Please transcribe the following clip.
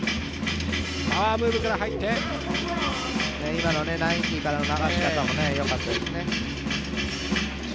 今の１９９０からの流れ、よかったですね。